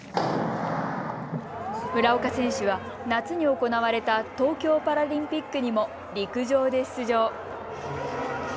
村岡選手は夏に行われた東京パラリンピックにも陸上で出場。